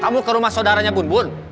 kamu ke rumah saudaranya pun bun